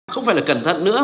không phải là cẩn thận nữa